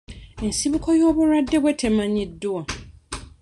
Ensibuko y'obulwadde bwe temanyiddwa.